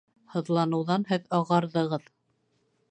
Һыҙланыуҙан һеҙ ағарҙығыҙ